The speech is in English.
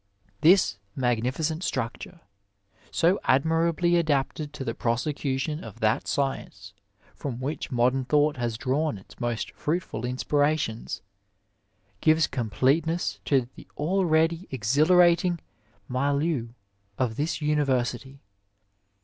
This magnificent structure, so admirably adapted to the prosecution of that science from which modem thought has drawn its most fruitful inspirations, gives completeness to the already exhilarating milieu of this University.